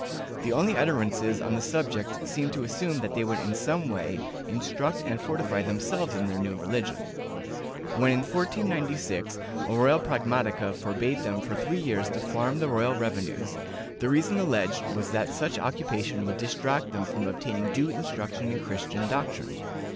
The only utterances on the subject seem to assume that they would in some way instruct and fortify them selves in their new religion. When, in 1496, a royal pragmatica forbade them for three years to farm the royal revenues, the reason alleged was that such occupation would distract them from obtain ing due instruction in Christian doctrine.